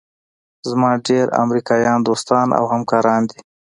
زما ډېر امریکایان دوستان او همکاران دي.